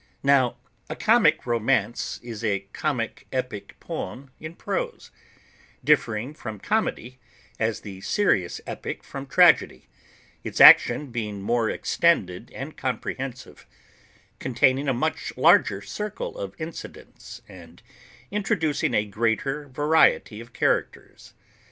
Now, a comic romance is a comic epic poem in prose; differing from comedy, as the serious epic from tragedy: its action being more extended and comprehensive; containing a much larger circle of incidents, and introducing a greater variety of characters.